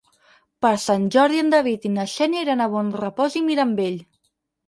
Per Sant Jordi en David i na Xènia iran a Bonrepòs i Mirambell.